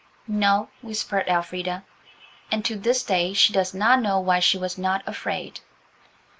"No," whispered Elfrida. And to this day she does not know why she was not afraid.